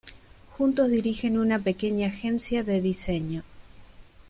Juntos dirigen una pequeña agencia de diseño.